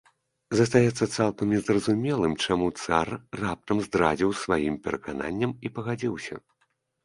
Застаецца цалкам незразумелым, чаму цар раптам здрадзіў сваім перакананням і пагадзіўся.